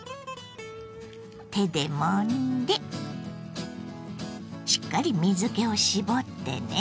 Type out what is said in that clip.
手でもんでしっかり水けを絞ってね。